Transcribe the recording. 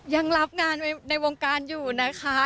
ยังรับงานในวงการอยู่นะคะ